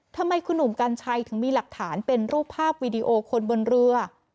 ทำไมคุณหนุ่มกัญชัยถึงมีหลักฐานเป็นรูปภาพวีดีโอคนบนเรือ